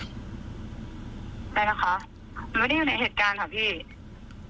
ไปนะคะหนูไม่ได้อยู่ในเหตุการณ์ค่ะพี่